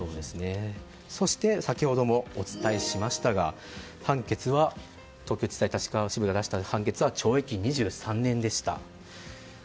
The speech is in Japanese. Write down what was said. そして先ほどもお伝えしましたが東京地裁立川支部が出した判決は懲役２３年でした。